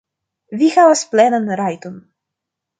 Vi havas plenan rajton.